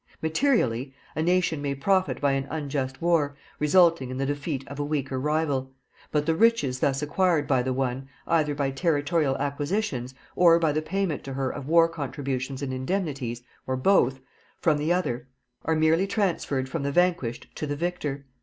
Materially, a nation may profit by an unjust war, resulting in the defeat of a weaker rival, but the riches thus acquired by the one, either by territorial acquisitions, or by the payment to her of war contributions and indemnities, or both, from the other, are merely transferred from the vanquished to the victor.